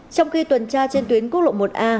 trong khi tuần tra trên tuyến quốc lộ một a